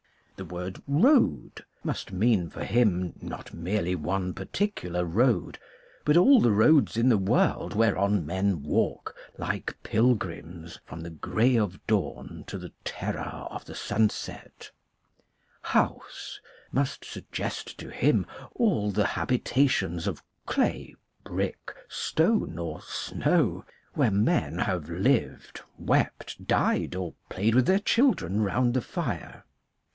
The word "road" must mean for him not merely one particular road, but 246 CRITICAL STUDIES all the roads in the world whereon men walk like pilgrims from the grey of dawn to the terror of the sunset " House " must suggest to him all the habita tions of clay, brick, stone, or snow, where men have lived, wept, died, or played with their children round the fire.